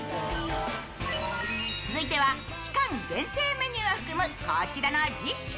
続いては期間限定メニューを含むこちらの１０品。